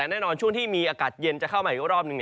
แต่แน่นอนช่วงที่มีอากาศเย็นจะเข้ามาอีกรอบนึง